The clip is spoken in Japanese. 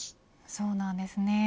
そうなんですね。